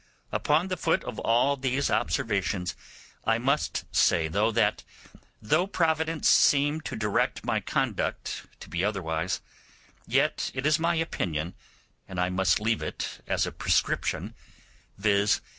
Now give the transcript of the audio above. Upon the foot of all these observations I must say that though Providence seemed to direct my conduct to be otherwise, yet it is my opinion, and I must leave it as a prescription, viz.